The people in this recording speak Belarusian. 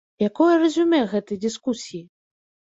Якое рэзюмэ гэтай дыскусіі?